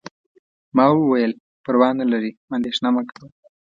ما وویل: پروا نه لري، اندیښنه مه کوه.